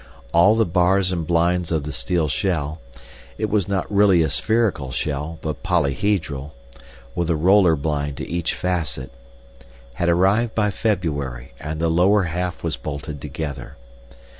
All the bars and blinds of the steel shell—it was not really a spherical shell, but polyhedral, with a roller blind to each facet—had arrived by February, and the lower half was bolted together.